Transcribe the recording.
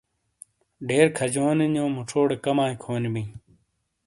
ڈیرکھَجونی نِیو مُچھوڑے کَمائی کھونی بِیئں۔